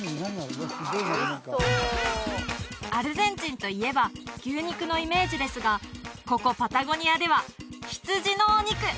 アルゼンチンといえば牛肉のイメージですがここパタゴニアでは羊のお肉！